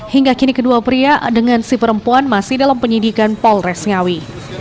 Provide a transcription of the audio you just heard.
hingga kini kedua pria dengan si perempuan masih dalam penyidikan polres ngawi